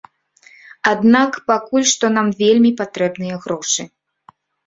Аднак пакуль што нам вельмі патрэбныя грошы.